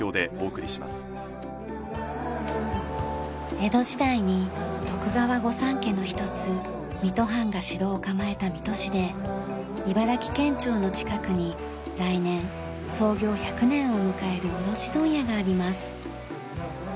江戸時代に徳川御三家の一つ水戸藩が城を構えた水戸市で茨城県庁の近くに来年創業１００年を迎える卸問屋があります。